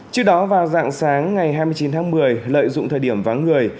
trước đó vào dạng sáng ngày hai mươi chín tháng một mươi lợi dụng thời điểm vắng người